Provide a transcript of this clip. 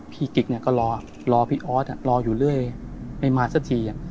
กิ๊กก็รอพี่ออสรออยู่เรื่อยไม่มาสักที